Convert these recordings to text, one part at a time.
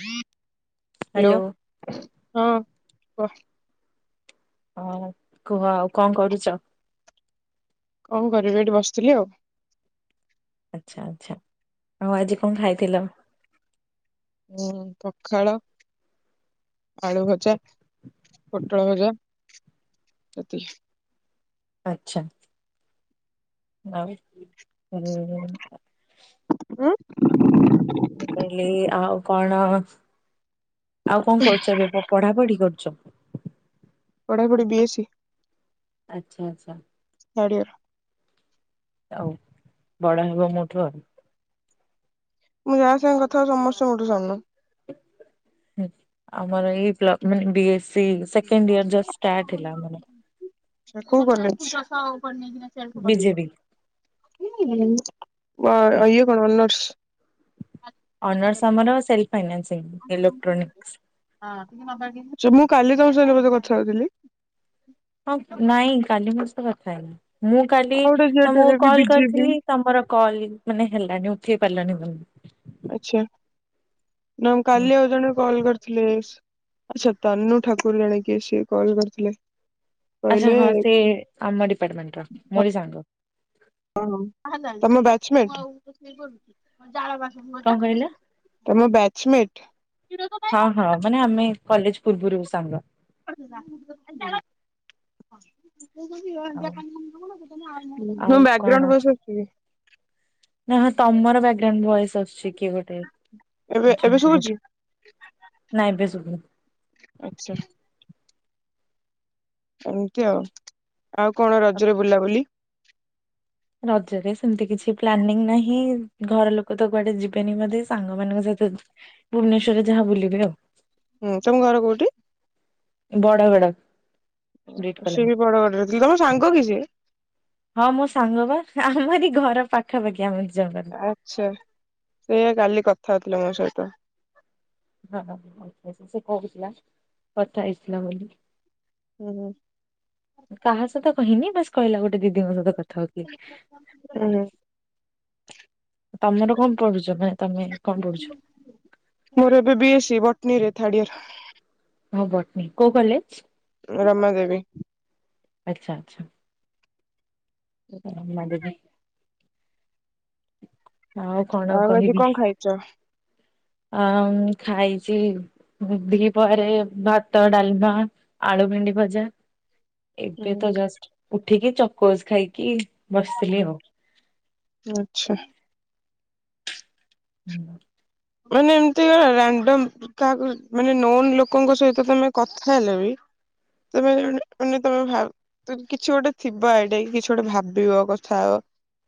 Hello hello ହଁ କୁହ। ହ କୁହ ଆଉ କଣ କରୁଛ? କଣ କରିବି ଏଠି ବସିଥିଲି ଆଉ। ଆଚ୍ଛା ଆଚ୍ଛା ଆଉ ଆଜି କଣ ଖାଇଥିଲ? ହୁଁ ପଖାଳ ଆଳୁ ଭଜା ପୋଟଳ ଭଜା ଏତିକି ଆଚ୍ଛା। ହ ହୁଁ। ହ ମୁଁ କହିଲି ଆଉ କଣ ଆଉ କଣ କରୁଛ ବ ପଢା ପଢି କରୁଛ ପଢା ପଢି ବି ଏ ସି। ଆଚ୍ଛା ଆଚ୍ଛା। ଥାଡିୟିର। ଆଉ ବଡ ହବ ମୋଠୁ ଆଉ। ମୁଁ ଯାହା ସାଙ୍ଗେ କଥାହୋଉଛି ସମସ୍ତେ ମୋଠୁ ସାନ। ଆମର ଏଇ ପ୍ଲ ମାନେ ବି ସେ ସେକେଣ୍ଡୟିର ଜଷ୍ଟ ଷ୍ଟାଟ ହେଲା ଆମର। ବିଜେବି [unintelligible] ୟ୍ୟକଣ ଅନର୍ସ ଅନର୍ ଆମର ସେଲ ଫାଇଂ ଇଲେକ୍ଟ୍ରୋନିକ୍ ମୁଁ କାଲି ତମ ସହିତ ବୋଧେ କଥା ହଉଥିଲି? ହଁ ନାଇଁ କାଲି ମୋ ତ କଥା ହେଇନି ମୁଁ କାଲି ଆଉ ଗୋଟେ ଝିଅଟାରେ ତମକୁ ବି କଲ ବିଜେପି କରିଥିଲି ତମର କଲ ମାନେ ହେଲାନି ଉଠେଇ ପାରିଲାନି ମାନେ ଆଛା ନା ମୁ ହୁଁ କାଲି ଆଉ ଜଣେ କଲ କରିଥିଲେ ଆଚ୍ଛା ତନୁ ଠାକୁରୁ ଜାଣ କିଏ ସିଏ କଲ୍ କରିଥିଲେ। ଆଚ୍ଛା କହିଲେ ହଁ ସେ ଆମ ଡିପାର୍ଟମେଣ୍ଟ ର ମୋରି ସାଙ୍ଗ ଓ ହୋ ତମ ବାଚମେଣ୍ଟ କଣ କହିଲ [unintelligible] ତମ ବେଚମେଟ ହଁ ହଁ ମାନେ ଆମେ କଲେଜ ପୂର୍ବରୁ ସାଙ୍ଗ। [inaudible] ମୁ ଆଉ ଆଉ କଣ ବଗ୍ରାଉଣ୍ଡ ବ ଅ ନା ତମର ବ୍ୟାଗ୍ରାଉଣ୍ଡ ଭଏସ ଆସୁଛି କିଏ ଗୋଟେ ଏବେ ଆଛା ଏବେ ଅ ଶୁଭୁଛି ନାଇଁ ଏବେ ସୁଵିଲା। ଆଚ୍ଛା। ଏମିତି ଆଉ ଆଉ କଣ ରଜରେ ବୁଲାବୁଲି ରଜରେ ସେମିତି କିଛି ପ୍ଲାନିଂ ନାହିଁ ଘର ଲୋକ ତ କୁଆଡେ ଯିବେନି ବୋଧେ ସାଙ୍ଗମାନଙ୍କ ସହିତ ଭୁବନେଶ୍ୱରରେ ଯାହାବୁଲିବେ ଆଉ। ହୁଁ ତମ ଘର କୋଉଠି? ବଡ଼ ଵଡ଼ ସିଏ ବି ବଡ ବଡରେ ଥିଲେ ତମ ସାଙ୍ଗ କି ସେଏ? ହଁ ମୋ ସାଙ୍ଗ ବା ଆମରି ଘର ପାଖାପାଖି ଆମର ଜଙ୍ଗ ଆଚ୍ଛା ସେଇଆ କାଲି କଥା ହଉଥିଲେ ମୋ ସହିତ ହଁଛାଛା ସେ କହୁଥିଲା କଥା ହେଇଥିଲା ବୋଲି। ହୁଁ। କାହା ସହିତ କହିନି ବାସ କହିଲା ଗୋଟେ ଦିଦିଙ୍କ ସହିତ କଥା ହୋଉଥିଲି। ହୁଁ। ତମର କଣ ପଢୁଛ ମାନେ ତମେ କଣ ପଢୁଛ? ମୋର ଏବେ ବି ଏ ସି ବଟନୀ ରେ ଥାର୍ଡଇୟର ହଁ ବଟନୀ କୋଉ କଲେଜ? ରମା ଦେବୀ। ଆଚ୍ଛା ଆଚ୍ଛା। ରମା ଦେଵୀ। ଆଉ କଣ ଆଜି କହିବି କଣ ଖାଇଛ? ଆ ଖାଇଛି ଦିପହରେ ଭାତ ଡାଲମା ଆଳୁ ଭେଣ୍ଡି ଭଜା। ଏବେ ତ ହୁଁ ଜଷ୍ଟ ଉଠିକି ଚକୋସ୍ ଖାଇକି ବସିଥିଲି ଆଉ। ଆଚ୍ଛା। ମାନେ ଏମିତି କଣ ରାଣ୍ଡମ୍ କାହାକୁ ମାନେ ନୋନ୍ ଲୋକଙ୍କ ସହିତ ତମେ କଥା ହେଲେ ବି ତୁମେ ଜଣେ ଉନି ତମେ ଭାବ୍। କିଛି ଗୋଟେ ଥିବ ଆଇଡିଆ କି କିଛି ଗୋଟେ ଭାବିବା କଥା।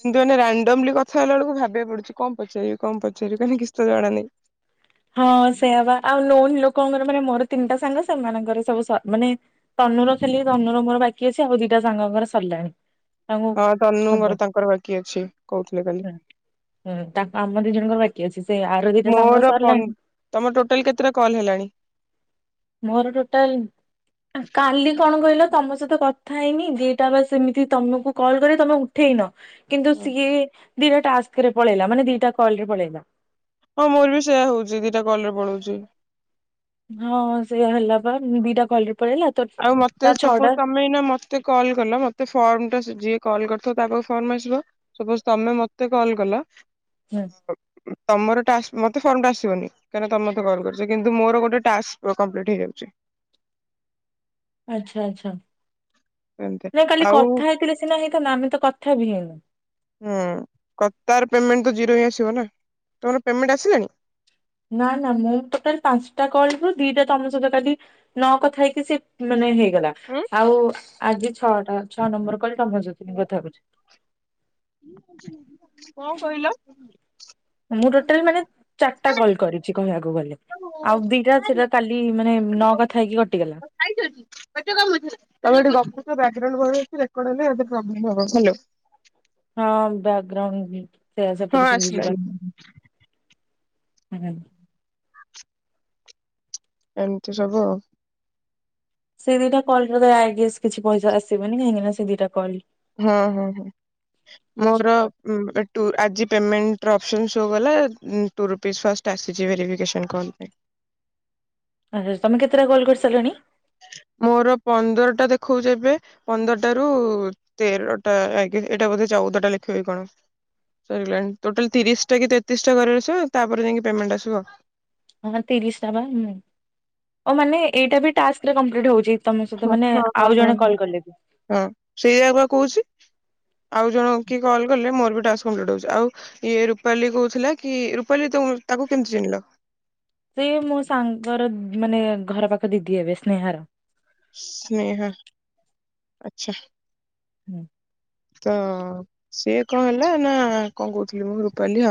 କିନ୍ତୁ ମାନେ ରାଣ୍ଡମ୍ଲି କଥା ହେଲା ବେଳକୁ ଭାବିବାକୁ ପଡୁଛି କଣ ପଚାରିବି କଣ ପଚାରିବି କାହିଁ କିଛି ତ ଜଣା ନାହିଁ। ହଁ ସେଇଆ ପା ଆଉ ନୋନ୍ ଲୋକଙ୍କର ମାନେ ମୋର ତିନିଟା ସାଙ୍ଗ ସେମାନଙ୍କର ସବୁ ସ ମାନେ ତନୁର ଖାଲି ରନୁର ମୋର ବାକି ଅଛି ଆଉ ଦିଟା ସାଙ୍ଗଙ୍କର ସରିଲାଣି। ତାଙ୍କୁ ହଁ ତନୁଙ୍କର ହବନି। ତାଙ୍କର ବାକି ଅଛି କହୁଥିଲେ କାଲି। ହୁଁ ତା ଆମ ଦି ଜଣଙ୍କର ବାକି ଅଛି ସେ ଆର ଦିଟା ସାଙ୍ଗ ମୋର ସର୍ ପନ୍ ତମର୍ ଟୋଟାଲ୍ କେତେଟା କଲ୍ ହେଲାଣି? ମୋର ଟୋଟାଲ୍ କାଲି କଣ କହିଲ ତମ ସହିତ କଥା ହେଇନି ଦିଟା ବା ସେମିତି ତମକୁ କଲ୍ କରି ତମେ ଉ ଠେଇନ କିନ୍ତୁ ସିଏ ଦିଟା ଟାସ୍କରେ ପଳେଇଲା ମାନେ ଦିଟା କଲ୍ ରେ ପଳେଇଲା। ହଁ ମୋର ବି ସେଇୟା ହଉଛି ଦିଟା କଲ୍ ରେ ପଳଉଛି। ହଁ-ହଁ ସେଇଆ ହେଲା ପା ଦିଟା କଲ୍ ରେ ପଳେଇଲା ତ ଆଉ ମତେ ତା ସପୋଜ ଛଅଟା। ତମେ ଏଇନା ମତେ କଲ୍ କଲ ମତେ ଫର୍ମଟା ସେ ଯିଏ କଲ୍ କରିଥିବ ତା ପାଖକୁ ଫର୍ମ ଆସିବ। ସପୋଜ୍ ତମେ ମତେ କଲ କଲ। ହୁଁ। ତମର ଟାସ୍କ ମତେ ଫର୍ମଟା ଆସିବନି। କାହିଁନା ତମେ ମତେ କଲ୍ କରିଛ କିନ୍ତୁ ମୋର ଗୋଟେ ଟାସ୍କ କଂପ୍ଲିଟ୍ ହେଇଯାଉଛି। ଆଚ୍ଛା-ଆଚ୍ଛା, ଏମିତି ନାଇଁ କାଲି ଆଉ ହୁଁ କଥା ହେଇଥିଲେ ସିନା ହେଇଥାନ୍ତା ଆମେ ତ କଥା ବି ହେଇନୁ। ହୁଁ, କ ତାର ପେମେଣ୍ଟ ତ ଜିରୋ ହିଁ ଆସିବ ନା ତମର ପେମେଣ୍ଟ ଆସିଲାଣି? ନା ନା ମୁଁ ଟୋଟାଲ୍ ପାଞ୍ଚଟା କଲ୍ ରୁ ଦିଟା ତମ ସହିତ କାଲି ନ କଥା ହେଇକି ସେ ମାନେ ହେ ଇଗଲା ହୁଁ ଆଉ-ଉ-ଉ ଆଜି ଛଅଟା, ଛଅ ନମ୍ବର କଲ୍ ଟା ମୋ [unintelligible] କଥା ହେଉଚି। କଣ କହିଲ? ମୁଁ ଟୋଟାଲ୍ ମାନେ ଚାରିଟା କଲ୍ କରିଛି କହିବାକୁ ଗଲେ, ଆଉ ଦିଟା ସେଟା କାଲି ମାନେ ନ କଥା ହେଇକି କଟିଗଲା। ତମେ ଏଠି ଗପୁଛ ବ୍ୟାକଗ୍ରାଉଣ୍ଡ [inaudible] ରେକର୍ଡ ହେଲେ ପ୍ରୋବ୍ଲେମ୍ ହବ ହ୍ୟାଲୋ। ହଁ ବ୍ୟାକଗ୍ରାଉଣ୍ଡ ଭଏସ୍ ହଁ ଏପଟେ ଶୁଭୁଛି ପା। ଆସିଲାଣି ହୁଁ। ଏମିତି ସବୁ ଆଉ। ସେ ଦିଟା କଲ୍ ରୁ [inaudible] [unintelligible] ସକିଛି ପଇସ ଆସିବନି କାହିଁକି ନା ସେ ଦିଟା କଲ୍ ହୁଁ ହୁଁ ହୁଁ। ମୋର ଉମ୍ ଏଟୁ ଆଜି ପେମେଣ୍ଟର ଅପ୍ସନ୍ ସୋ କଲା ଉଁ। ଟୁ ରୁପିସ୍ ଫାଷ୍ଟ୍ ଆସିଛି ଭେରିଫିକେନନ୍ କଲ୍ ପାଇଁ। ଆଚ୍ଛା ଆ ତମେ କେତେଟା କଲ୍ କରିସାରିଲଣି? ମୋର ପନ୍ଦରଟା ଦେଖଉଚି ଏବେ। ପନ୍ଦରଟାରୁ ତେରଟା ଆଜ୍ଞେ ଏଇଟା ବୋଧେ ଚଉଦଟା ଲେଖିବ କି କଣ? ସରିଗଲାଣି, ଟୋଟାଲ୍ ତିରିଶଟା କି ତେତିଶଟା [unintelligible] ତାପରେ ଯାଇକି ପେମେଣ୍ଟ ଆସିବ। ହଁ ହଁ ତିରିଶଟା ବା ‌ଉମ୍ ଓ ମାନେ ଏଇଟା ବି ଟାସ୍କରେ କଂପ୍ଲିଟ୍ ହଉଚି। ତମ ସହିତ ହଁ ମାନେ ହଁ ହଁ ଆଉ ହଁ ଜଣେ ହଁ। କଲ୍ କଲେ ବି। ହଁ ସେଇଆ ବା କହୁଚି, ଆଉ ଜଣେ କିଏ କଲ୍ କଲେ ମୋର୍ ବି ଟାସ୍କ କମ୍ପ୍ଲିଟ୍ ହଉଛି, ଆଉ ଇଏ ରୁପାଲି କହୁଥିଲା କି ରୁପାଲି ତୁମେ ତାକୁ କେମିତି ଚିହ୍ନିଲ? ସିଏ ମୋ ସାଙ୍ଗର ମାନେ ଘର ପାଖ ଦିଦି ହେବେ ସ୍ନେହାର। ସ୍ନେହା, ଆଚ୍ଛା। ହୁଁ [inaudible] ତ ସିଏ କଣ ହେଲା, ନା କ'ଣ କହୁଥିଲି ମୁଁ ରୂପାଲି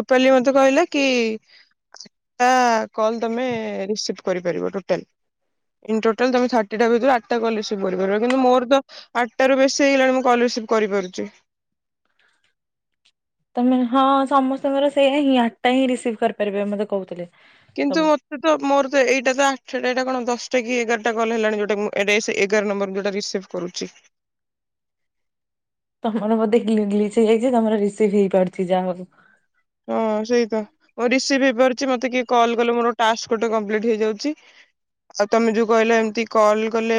ରୂପାଲି ମତେ କହିଲା କି ସେଟା କଲ୍ ତମେ ରିସିପ୍ଟ୍ କରି ପାରିବ ଟୋଟା ଟୋଟାଲ୍ ତମେ ଥାର୍ଟି ଟା ଭିତରୁ ଆଟ୍ ଟା କଲ୍ ରିସିଭ୍ କରି ପାରିବ। କିନ୍ତୁ ମୋର ତ ଆଟ୍ଟାରା ରୁ ବେଶୀ ହେଇ ଗଲାଣି, ମୁଁ କଲ୍ ରିସିପ୍ କରି ପାରୁଚି। ତମେ ହଁ ସମସ୍ତଙ୍କର ସେୟା ହିଁ ଆଟ୍ଟା ହିଁ ରିସିବ୍‌ କରି ପାରିବେ ମତେ କହୁଥିଲେ। କିନ୍ତୁ ସବୁ। ମୋର ତ ଏଇଟା ତ ଆ--ଟା ଏଟା କ'ଣ ଦଶଟା କି ଏଗାର୍ ଟା କଲ୍ ହେଲାଣି, ଯଉଟା ଏଗାର୍ ନମ୍ବର୍ ଯଉଟା ରିସିଭ୍ କରୁଚି। ତମର ବଧେ ଗ୍ଲି ଗ୍ଲିଚ୍ ହେଇଯାଇଚି ଯେ, ତମର ରିସିବ୍ ହେଇ ପାରୁଚି ଯାହା ହଉ। ହଁ ସେଇତ ରିସିବ୍ ହେଇ ପାରୁଚି, ମତେ କିଏ କଲ୍ କଲେ ମୋର ଟାସ୍‌ ଗୋଟେ କମ୍ପ୍ଳିଟ୍ ହେଇ ଯାଉଚି। ଆଉ ତମେ ଯଉ କଇଲ, ଏମ୍ତି କଲ୍ କଲେ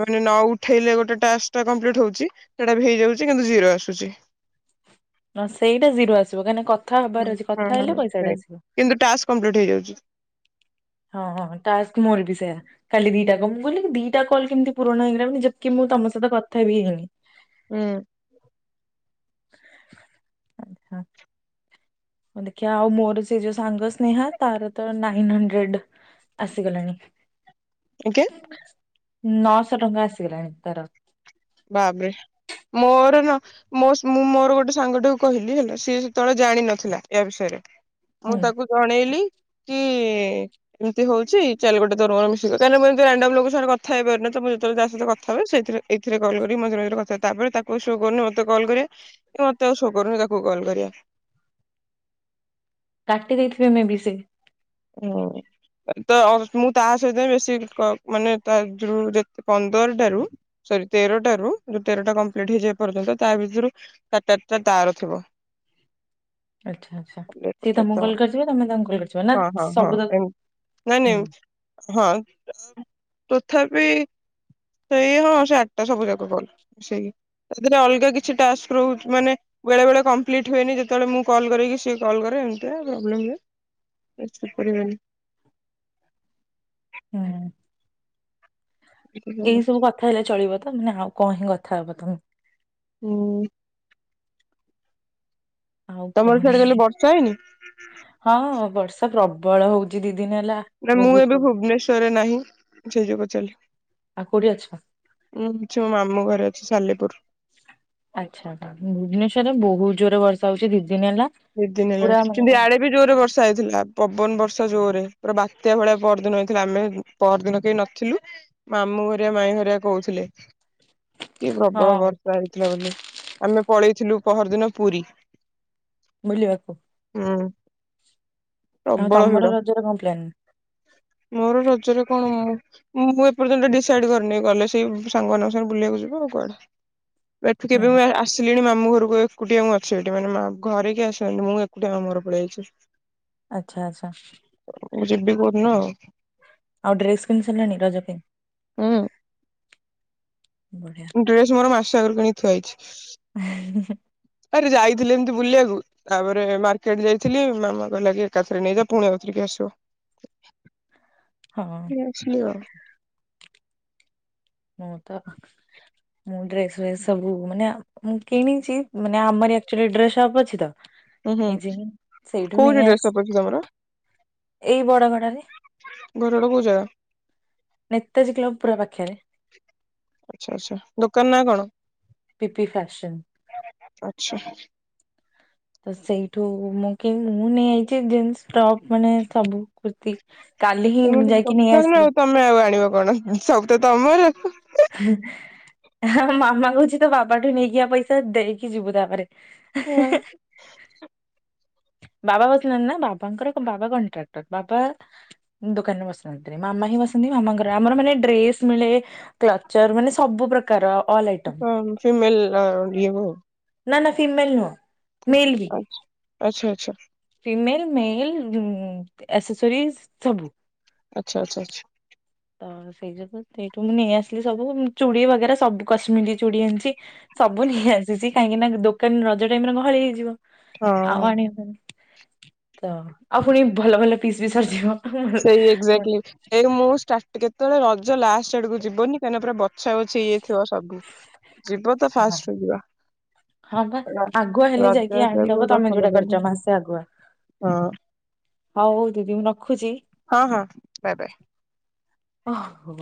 ମା ନଉଠେଇଲେ ଗୋଟେ ଟାସ୍‌ଟା କମ୍ପ୍ଲିଟ୍ ହଉଚି, ସେଟା ବି ହେଇ ଯାଉଚି କିନ୍ତୁ ଜିରୋ ଆସୁଚି। ସେଇଟା ଜିରୋ ଆସିବ, କାହିଁ--ନା କଥା ହୁଁ ହବାର ଅଛି ହଁ କଥା ହଁ ହେଲେ ପଇସାଟା ସେଇ ଆସିବ। କିନ୍ତୁ ଟାସ୍‌ କମ୍ପ୍ଲିଟ୍ ହେଇ ଯାଉଚି। ହଁ ହଁ, ଟାସ୍କ ମୋର ବି ସେୟା କାଲି ଦିଟା କ ମୁଁ କହିଲି ଦିଟା କଲ୍ କେମ୍ତି ପୂରଣ ହେଇଗଲା, ମାନେ ମୁଁ ଯେତ୍‌କି ମୁଁ ସ--ତ କଥା ବି ହେଇନି। [inaudible] ଦେଖିଆ ଆଉ ମୋର ସେ ଯଉ ସାଙ୍ଗ ସ୍ନେହା ତା'ର ତ ନାଇନ୍‌ ହଣ୍ଡ୍ରେଡ୍‌ ଆସି ଗଲାଣି। [unintelligible] ନଅଶ ଟଙ୍କା ଆସି ଗଲାଣି ତା'ର। [inaudible] ମୁଁ ମୋର ଗୋଟେ ସାଙ୍ଗ--କୁ କହିଲି, ହେଲା ସିଏ ସେତ--ଳେ ଜାଣି ନଥିଲା ୟା ବିଷୟରେ। ମୁଁ ହୁଁ। ତାକୁ ଜଣେଇଲି କି [inaudible] [inaudible] ମତେ ଆଉ ସୋ କରୁନି, ତାକୁ କଲ୍ କରିଆ। କାଟି ଦେଇଥିବେ ମେବି ସେ। [inaudible] ତ ମୁଁ ତା ସ--ତ ବେଶି କ ମାନେ ତା ଯଉ ଯେ ପନ୍ଦର୍ଟା ରୁ ସରି ତେରଟାରୁ ଯଉ ତେରଟା କମ୍ପ୍ଲିଟ୍ ହେଇଚି, ଏପର୍ଯ୍ୟନ୍ତ ତା ଭିତୁରୁ [unintelligible] ଆଚ୍ଛା ଆଚ୍ଛା, ସିଏ ତମୁକୁ କଲ୍ କର୍ଥିବେ, ତମେ ତାଙ୍କୁ କଲ୍ କରିଥିବ ନା ସବୁ ତ ହୁଁ [unintelligible] [inaudible] ବେଳେ ବେଳେ କମ୍ପ୍ଲିଟ୍ ହୁଏନି, ଯେତ--ଳେ ମୁଁ କଲ୍ କରେକି, ସିଏ କଲ୍ କରେ ପ୍ରୋବ୍ଲେମ୍ ହୁଏ। [unintelligible] [inaudible] ହେଲେ ଚଳିବ ତ, ମାନେ ଆଉ ଙ୍କ ହିଁ କଥା [inaudible] ଆଉ ତମର କଣ ସିଆଡ଼େ ହିଁ କାଲି ବର୍ଷା ହେଇନି? ହଁ, ବର୍ଷା ପ୍ରବଳ ହଉଚି ଦି ଦିନ୍‌ ହେଲା। ନା ମୁଁ ବହୁତ ଏବେ ପ୍ର ଭୁବନେଶ୍ୱରରେ ନାହିଁ ସେଇ ଯୋଗୁ ପଚାରିଲି। ଆଉ କୋଉଠି ଅଛ? ଉଁ ଅଛି ମୋ ମାମୁ ଘରେ ଅଛି ସାଲେପୁର। ଆଚ୍ଛା ଭୁବନେଶ୍ୱର ରେ ବହୁତ ଜୋରେ ବର୍ଷା ହଉଛି ଦି ଦିନ ହେଲା। ଡ଼ି ଦିନ ପୁରା ହେଲାଣି ମାନେ କିନ୍ତୁ ଆଡେ ବି ଜୋରରେ ବର୍ଷା ହେଇଥିଲା ପବନ ବର୍ଷା ଜୋରରେ ପୁରା ବାତ୍ୟା ଭଳିଆ ପରଦିନ ହେଇଥିଲା। ଆମେ ପର ଦିନ କେହି ନଥିଲୁ ମାମୁଁ ହେରିକା ମାଇଁ ହେରିକା କହୁଥିଲେ। କି ହଁ ପ୍ରବଳ ବର୍ଷା ହେଇଥିଲା ବୋଲି ଆମେ ପଳେଇଥିଲୁ ପହର ଦିନ ପୁରୀ। ବୁଲିବାକୁ, ହୁଁ ଆଉ ପ୍ରବଳ ତମର ଭିଡ଼ ରଜରେ କଣ ପ୍ଲାନ? ମୋର ରଜରେ କଣ ମୁଁ ମୁଁ ଏପର୍ଯ୍ୟନ୍ତ ଡିସାଇଡ କରିନି ଗଲେ ସେଇ ସାଙ୍ଗମାନାନଙ୍କ ସାଙ୍ଗେ ବୁଲିବାକୁ ଯିବ ଆଉ କୁଆଡେ। ଏଠି ହୁଁ କେବେ ବି ହୁଁ। ମୁଁ ଆସିଲିଣି ମାମୁଁ ଘରକୁ ଏକୁଟିଆ ମୁଁ ଅଛି ଏଠି। ମାନେ ମା ଘରେ କି ଆସ ସେ ମୁଁ ଏକୁଟିଆ ମାମୁଁ ଘରକୁ ପଳେଇ ଆସିଛି। ଆଚ୍ଛା- ଆଚ୍ଛା, ମୁଁ ଯିବି କୋଉଦିନ ଆଉ। ଆଉ ଡ୍ରେସ୍ କିଣି ସାରିଲାଣି ରଜ ପାଇଁ? ଉଁ ବଢ଼ିଆ, ଡ୍ରେସ୍ ମୋର ମାସ ଆଗରୁ କିଣି ଥୁଆହେଇଛି। ହେ, ଆରେ ଯାଇଥିଲି ଏମିତି ବୁଲିବାକୁ, ତାପରେ ମାର୍କେଟ ଯାଇଥିଲି ମାମା କହିଲା କି ଏକାଥରେ ନେଇଯା ପୁଣି ଆଉଥରିକା ଆସିବ। ହଁ, [unintelligible] ହଁ ତ ମୁଁ ଡ୍ରେସ୍ ଫ୍ରେସ୍ ସବୁ ମାନେ ଆ ମୁଁ କିଣିଛି ମାନେ ଆମର ଆକ୍ଚୁଲି ଡ୍ରେସ୍ ସପ୍ ଅଛି ତ ଉଁ ହୁଁ ନିଜେ ହିଁ ସେଇଠୁ କୋଉଠି ନେଇ ଡ୍ରେସ ଆସ୍। ସପ୍ ଅଛି ତମର ଏଇ ବଡ଼ ଘଡା଼ରେ, ଘର ଟା କୋଉ ଜାଗା? ନେତାଜୀ କ୍ଲବ୍ ପୁରା ପାଖରେ। ଆଚ୍ଛା ଆଚ୍ଛା ଦୋକାନ ନା କଣ? ପିପି ଫ୍ୟାସନ୍, ଆଚ୍ଛା, ତ ସେଇଠୁ ମୁଁ କିନ୍ ମୁଁ ନେଇଆଇଛି ଜିନ୍ସ ଟପ୍ ମାନେ ସବୁ। କୁର୍ତ୍ତି କାଲି ହିଁ ତମର ଯାଇକି ନେଇ ଦୋକାନ ଆଉ ଆସିଲି। ତମେ ଆଉ ଆଣିବ କଣ ସବୁ ତ ତମର। ହେ ହଁ ମାମା କହୁଛି ତୋ ବାବାଠୁ ନେଇକି ଆ ପଇସା ଦେଇକି ଯିବୁ ତାପରେ। [unintelligible] ବାବା କହୁଛନ୍ତି ନା ବାବାଙ୍କର ବାବା କଣ୍ଟ୍ରାକ୍ଟର ବାବା ମୁଁ ଦୋକାନ ରେ ବସିନ୍ତ୍ରି ମାମା ହିଁ ବସନ୍ତି ମାମାଙ୍କର ଆମର ମାନେ ଡ୍ରେସ ମିଳେ କ୍ଲଚର୍ ମାନେ ସବୁ ପ୍ର ଅଲ ଅଆଇ ହୁଁ ହଁ ଯୁମେଲ୍ ଆ [unintelligible] ନା-ନା ସେ ଫିମେଲ୍ ନୁହ। ଆଚ୍ ଆଚ୍ଛା, ଆଚ୍ଛା। ଫିମେଲ୍ ମେଲ୍ ମୁଁ ଆସେସରି ସବୁ। ଆଚ୍ଛା ଆଚ୍ଛା ଆଚ୍ଛା। ହଁ ତ ସେଇ ଯୁ ସେଇଠୁ ମୁଁ ନେଇ ଆସିଲି ସବୁ ଚୁଡି଼ ବଗେରା ସବୁ କଶ୍ମୀରୀ ଚୁଡି଼ ଆଣିଚି। ସବୁ ନେଇ ଆସିଚି କାହିଁକି ନା ଦୋକାନ ରଜ ଟାଇମ୍ ରେ ଗହଳି ହେଇଯିବ। ହଁ ଆଉ ଆଣିହବନି ତ ଆଉ ପୁଣି ଭଲ ଭଲ ପିସ୍ ବି ସରିଯିବ। ସେଇ ହଁ ଏକ୍ଜାକ୍ଟଲି ଏଇ ମୁଁ ଇ୍ସଟାଟ୍ କେତେବେଳେ ରଜ ଲାଷ୍ଟ ଆଡକୁ ଯିବନି କାହିଁନା ପୁରା ବ ଛା ବଛି ହେଉଯାଇ ଥିବ ସବୁ ଯିବ ତ ଫାଷ୍ଟ ରେ ଯିବ। ହଁ ବା ର ଆଗୁଆ ହେଲେ ଯାଇକି ରଜ ଆଣିଦବ ସରିବ ତମେ ଯୋଉଟା କରିଛ ମାସେ [unintelligible] ଆଗୁଆ ହଁ। ହଉ ଦିଦି ମୁଁ ରଖୁଚି? ହଁ-ହଁ ବାଏ-ବାଏ। ଓ ହୋ।